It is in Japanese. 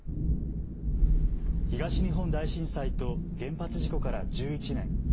東日本大震災と原発事故から１１年。